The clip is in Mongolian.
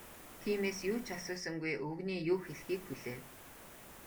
Тиймээс юу ч асуусангүй, өвгөний юу хэлэхийг хүлээв.